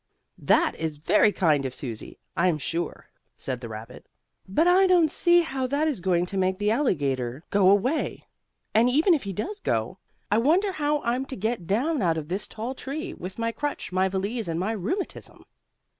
That is very kind of Susie, I'm sure," said the rabbit, "but I don't see how that is going to make the alligator go away. And, even if he does go, I wonder how I'm to get down out of this tall tree, with my crutch, my valise and my rheumatism?"